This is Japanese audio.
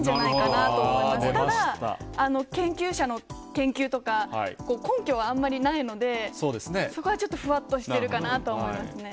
ただ、研究者の研究とか、根拠はあんまりないので、そこはちょっとふわっとしてるかなと思いますね。